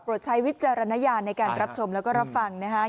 ใช้วิจารณญาณในการรับชมแล้วก็รับฟังนะฮะ